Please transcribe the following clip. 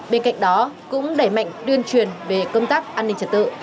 bên cạnh đó cũng đẩy mạnh tuyên truyền về công tác an ninh trật tự